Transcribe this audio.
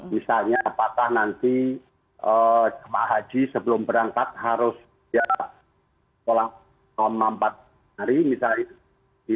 misalnya apakah nanti jemaah haji sebelum berangkat harus diatasi